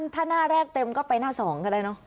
ถ้าหน้าแรกเต็มก็ไปหน้า๒ก็ได้เนอะ